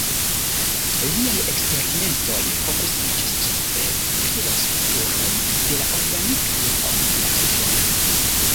Liaj eksperimentoj fokusiĝis ĉefe pri la strukturoj de la organikaj kombinaĵoj.